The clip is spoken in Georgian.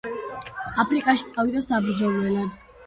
აფრიკაში წავიდა საბრძოლველად.